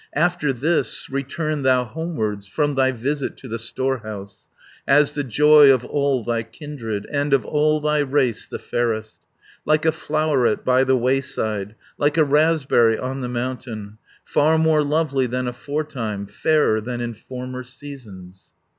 180 After this return thou homewards From thy visit to the storehouse, As the joy of all thy kindred, And of all thy race the fairest, Like a floweret by the wayside, Like a raspberry on the mountain; Far more lovely than aforetime, Fairer than in former seasons."